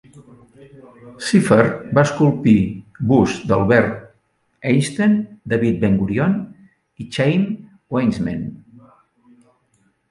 Ziffer va esculpir busts d'Albert Einstein, David Ben-Gurion i Chaim Weizmann.